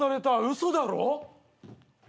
嘘だろ！？